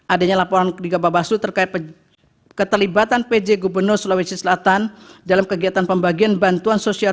adanya laporan ketiga bapak basu terkait keterlibatan pj gubernur sulawesi selatan dalam kegiatan pembagian bantuan sosial